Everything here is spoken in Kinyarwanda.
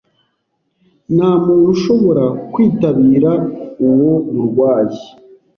Nta muntu ushobora kwitabira uwo murwayi